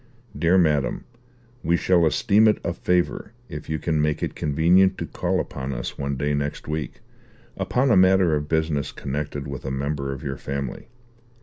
"DEAR MADAM, We shall esteem it a favour if you can make it convenient to call upon us one day next week, upon a matter of business connected with a member of your family.